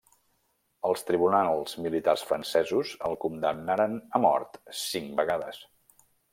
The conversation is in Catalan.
Els tribunals militars francesos el condemnaren a mort cinc vegades.